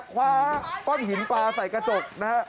คว้าป้องหินปลาใส่กระจกนะครับ